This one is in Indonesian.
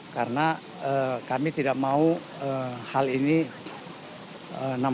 saya tidak paham